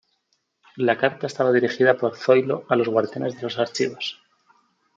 La carta estaba dirigida por Zoilo a los guardianes de los archivos.